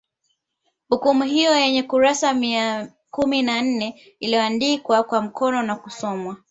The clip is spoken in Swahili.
Hukumu hiyo yenye kurasa mia kumi na nane iliyoandikwa kwa mkono nakusomwa